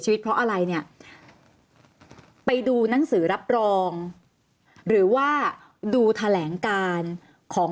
ชีวิตเพราะอะไรเนี่ยไปดูหนังสือรับรองหรือว่าดูแถลงการของ